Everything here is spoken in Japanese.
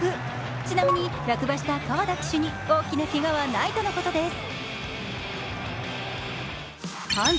ちなみに落馬した川田騎手に大きなけがはないとのことです。